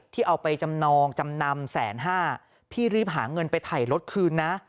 เอาไปจำนองจำนำแสนห้าพี่รีบหาเงินไปถ่ายรถคืนนะ